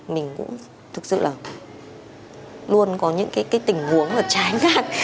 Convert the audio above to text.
mình cũng thực sự là luôn có những cái tình huống là chán